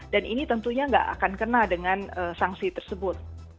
dan ini tentunya nggak akan kena dengan sanksi tersebut